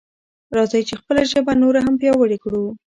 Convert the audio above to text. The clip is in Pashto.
راځئ چې خپله ژبه نوره هم پیاوړې کړو.